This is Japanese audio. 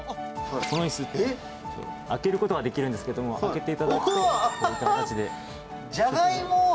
このいす、開けることができるんですけども、開けていただくと、こういった形ジャガイモ。